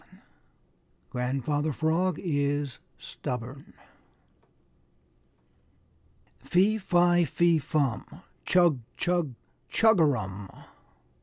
XI GRANDFATHER FROG IS STUBBORN "Fee, fi, fe, fum! Chug, chug, chugarum!"